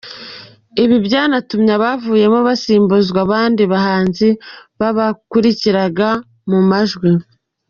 Ibi byanatumye abavuyemo basimbuzwa abandi bahanzi babakurikiraga mu majwi.